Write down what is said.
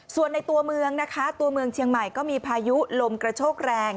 ส่วนในตัวเมืองนะคะตัวเมืองเชียงใหม่ก็มีพายุลมกระโชกแรง